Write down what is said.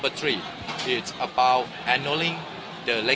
คุณคิดเรื่องนี้ได้ไหม